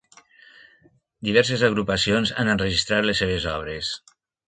Diverses agrupacions han enregistrat les seves obres.